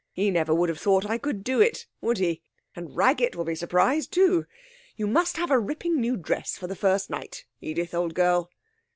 He never would have thought I could do it, would he? And Raggett will be surprised, too. You must have a ripping new dress for the first night, Edith, old girl.'